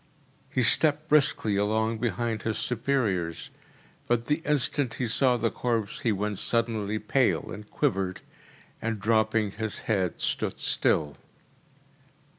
He stepped briskly along behind his superiors, but the instant he saw the corpse he went suddenly pale, and quivered; and dropping his head stood still.